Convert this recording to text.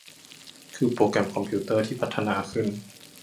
คือโปรแกรมคอมพิวเตอร์ที่พัฒนาขึ้น